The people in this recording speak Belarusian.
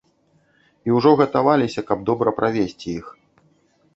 І ўжо гатаваліся, каб добра правесці іх.